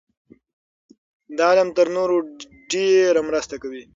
دا علم تر نورو ډېره مرسته کوي.